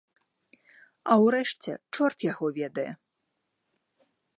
А ўрэшце, чорт яго ведае!